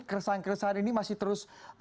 keresahan keresahan ini masih terus